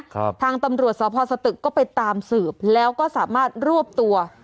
ทางตำรวจสพสตึกก็ไปตามสืบแล้วก็สามารถรวบตัว